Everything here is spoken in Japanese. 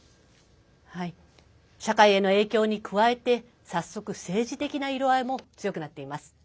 社会への影響に加えて早速、政治的な色合いも強くなっています。